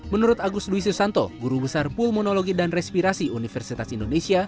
menurut agus dwi susanto guru besar pulmonologi dan respirasi universitas indonesia